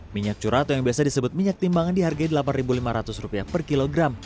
minyak curah atau yang biasa disebut minyak timbangan dihargai rp delapan lima ratus per kilogram